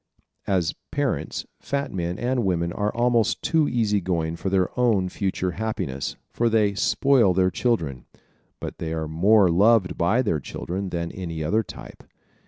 As parents fat men and women are almost too easy going for their own future happiness, for they "spoil" their children. But they are more loved by their children than any other type.